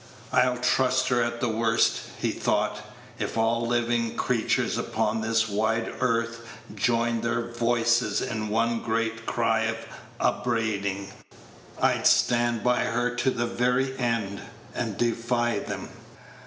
"I'll trust her at the worst," he thought. "If all living creatures upon this wide earth joined their voices in one great cry of upbraiding, I'd stand by her to the very end, and defy them."